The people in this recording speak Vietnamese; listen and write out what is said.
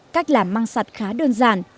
cách làm măng sạch khá đơn giản